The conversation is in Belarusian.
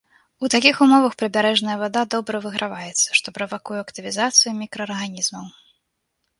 У такіх умовах прыбярэжная вада добра выграваецца, што правакуе актывізацыю мікраарганізмаў.